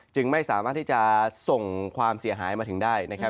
จึงไม่สามารถที่จะส่งความเสียหายมาถึงได้นะครับ